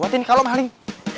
gawat ini kalau maling